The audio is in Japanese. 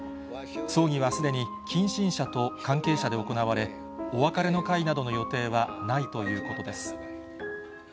葬儀はすでに近親者と関係者で行われ、お別れの会などの予定はないということです。